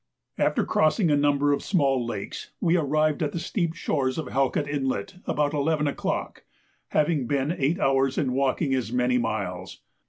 After crossing a number of small lakes, we arrived at the steep shores of Halkett Inlet about 11 o'clock, having been eight hours in walking as many miles.